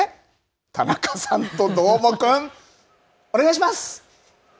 田中さんと、どーもくんお願いします。